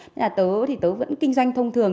nên là tớ thì tấu vẫn kinh doanh thông thường